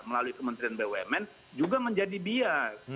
melalui kementerian bumn juga menjadi bias